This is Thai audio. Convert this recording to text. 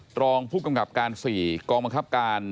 ตรองผู้กำกับการสกมกราบการ